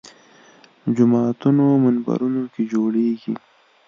جوماتونو منبرونو کې جوړېږي